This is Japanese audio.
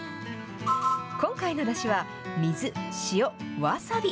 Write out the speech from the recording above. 今回のだしは、水、塩、わさび。